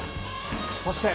そして。